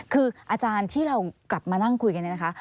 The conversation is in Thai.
คืออาจารย์ที่เรากลับมานั่งคุยกันเนี่ยนะคะ